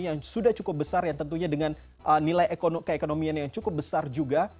yang sudah cukup besar yang tentunya dengan nilai keekonomian yang cukup besar juga